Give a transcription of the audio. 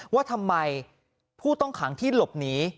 ว่าทำไมผู้ต้องขังที่หลบหนี